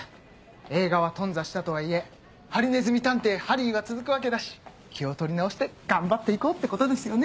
映画は頓挫したとはいえ『ハリネズミ探偵・ハリー』は続くわけだし気を取り直して頑張って行こうってことですよね。